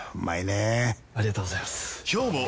ありがとうございます！